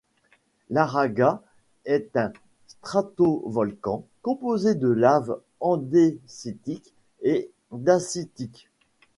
L'Aragats est un stratovolcan composé de laves andésitiques et dacitiques.